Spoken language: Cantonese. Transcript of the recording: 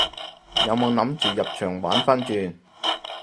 有冇諗住入場玩番轉？